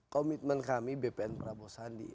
komitmen kami bpn prabowo sandi